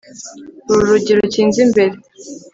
uru rugi rukinze imbere